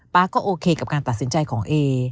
ก็โอเคกับการตัดสินใจของเอ